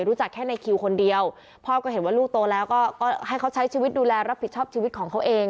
แค่ในคิวคนเดียวพ่อก็เห็นว่าลูกโตแล้วก็ให้เขาใช้ชีวิตดูแลรับผิดชอบชีวิตของเขาเอง